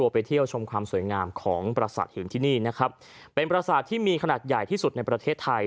เป็นปราสาที่มีขนาดใหญ่ที่สุดในประเทศไทย